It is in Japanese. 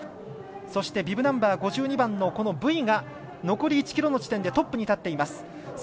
そして、ビブナンバー５２番のブイが残り１ｋｍの地点でトップに立っています。